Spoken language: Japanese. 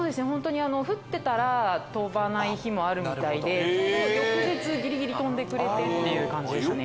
降ってたら飛ばない日もあるみたいで翌日ギリギリ飛んでくれたっていう感じでした。